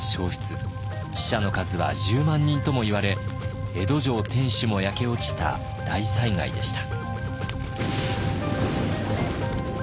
死者の数は１０万人ともいわれ江戸城天守も焼け落ちた大災害でした。